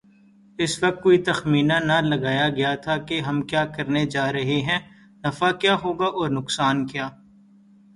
اس وقت کوئی تخمینہ نہ لگایاگیاتھا کہ ہم یہ کیا کرنے جارہے ہیں‘ نفع کیا ہوگا اورنقصان کیا۔